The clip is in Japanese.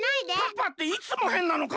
パパっていつもへんなのか？